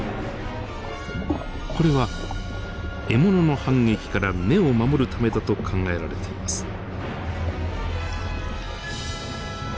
これは獲物の反撃から目を守るためだと考えられています。